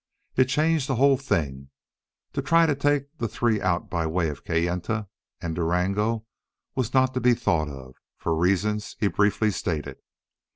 It changed the whole thing. To try to take the three out by way of Kayenta and Durango was not to be thought of, for reasons he briefly stated.